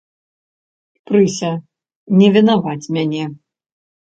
Прыся, не вінаваць мяне.